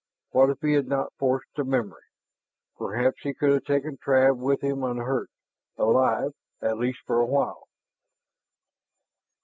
What if he had not forced the memory? Perhaps he could have taken Trav with him unhurt, alive, at least for a while.